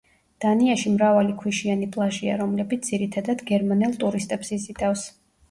დანიაში მრავალი ქვიშიანი პლაჟია, რომლებიც ძირითადად გერმანელ ტურისტებს იზიდავს.